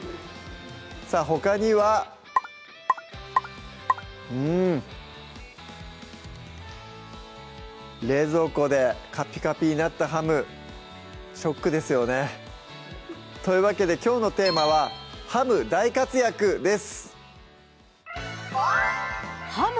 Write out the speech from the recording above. さぁほかにはうん冷蔵庫でカピカピになったハムショックですよねというわけできょうのテーマは「ハム大活躍」です